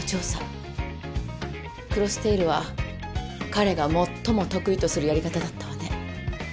クロステイルは彼が最も得意とするやり方だったわね。